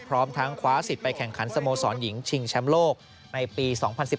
พร้อมทั้งคว้าสิทธิ์ไปแข่งขันสโมสรหญิงชิงแชมป์โลกในปี๒๐๑๘